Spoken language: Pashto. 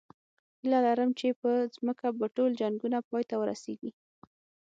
هیله لرم چې په ځمکه به ټول جنګونه پای ته ورسېږي